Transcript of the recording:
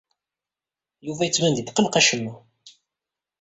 Yuba yettban-d yettqelleq acemma.